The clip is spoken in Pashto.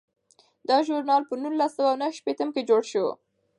دا ژورنال په نولس سوه نهه شپیته کې جوړ شو.